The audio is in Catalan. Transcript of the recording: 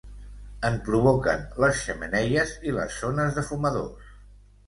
En provoquen les xemeneies i les zones de fumadors.